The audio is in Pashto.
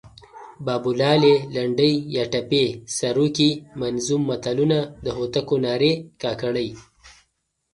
بابولالې، لنډۍ یا ټپې، سروکي، منظوم متلونه، د هوتکو نارې، کاکړۍ